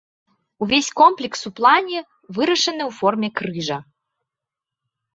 Увесь комплекс у плане вырашаны ў форме крыжа.